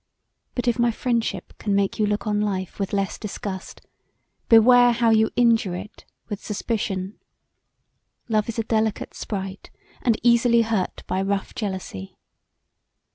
But if my friendship can make you look on life with less disgust, beware how you injure it with suspicion. Love is a delicate sprite and easily hurt by rough jealousy.